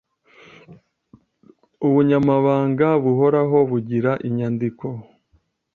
Ubunyamabanga buhoraho bugira inyandiko